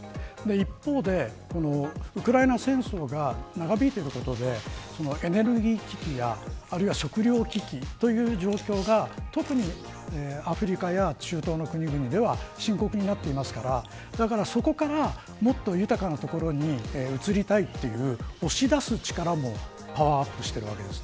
一方でウクライナ戦争が長引いていることでエネルギー危機や、あるいは食糧危機という状況が特にアフリカや中東の国々では深刻になっていますからそこからもっと豊かな所に移りたいという押し出す力もパワーアップしているわけです。